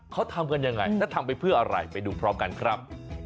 เขาทำกันยังไงและทำไปเพื่ออะไรไปดูพร้อมกันครับ